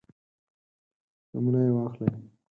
نومونه یې واخلئ.